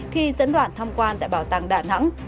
khi dẫn đoàn tham quan tại bảo tàng đà nẵng